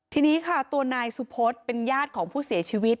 ทีนี้ค่ะตัวนายสุพศเป็นญาติของผู้เสียชีวิต